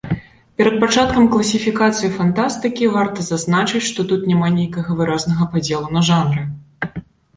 Перад пачаткам класіфікацыі фантастыкі варта зазначыць, што тут няма нейкага выразнага падзелу на жанры.